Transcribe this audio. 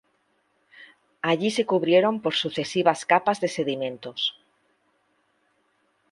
Allí se cubrieron por sucesivas capas de sedimentos.